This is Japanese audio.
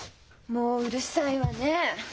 もううるさいわね。